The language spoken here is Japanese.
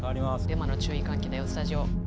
デマの注意喚起だよスタジオ。